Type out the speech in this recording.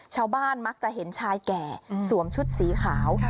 ชาวบ้านมักจะเห็นชายแก่สวมชุดสีขาว